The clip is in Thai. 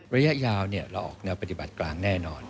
ระยะยาวเราออกแนวปฏิบัติกลางแน่นอน